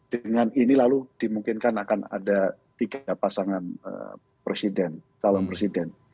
dengan ini lalu dimungkinkan akan ada tiga pasangan calon presiden